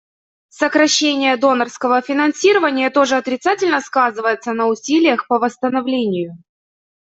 Сокращение донорского финансирования тоже отрицательно сказывается на усилиях по восстановлению.